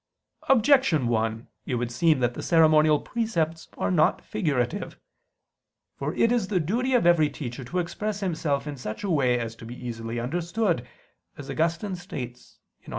Objection 1: It would seem that the ceremonial precepts are not figurative. For it is the duty of every teacher to express himself in such a way as to be easily understood, as Augustine states (De Doctr.